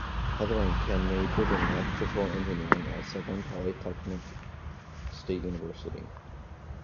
Heatherington majored in electrical engineering at Southern Polytechnic State University.